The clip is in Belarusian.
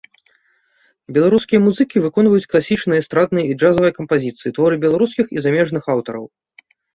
Беларускія музыкі выконваюць класічныя, эстрадныя і джазавыя кампазіцыі, творы беларускіх і замежных аўтараў.